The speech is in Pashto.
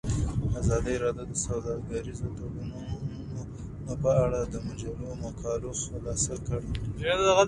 ازادي راډیو د سوداګریز تړونونه په اړه د مجلو مقالو خلاصه کړې.